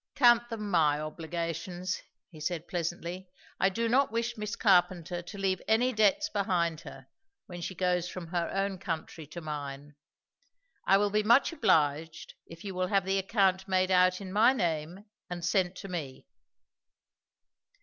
"Count them my obligations," he said pleasantly. "I do not wish Miss Carpenter to leave any debts behind her, when she goes from her own country to mine. I will be much obliged, if you will have the account made out in my name and sent to me."